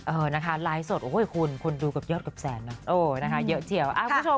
เออนะคะไลน์สดโอ้ยคุณคุณดูกับยอดกับแสนนะโอ้ยนะคะเยอะเฉียว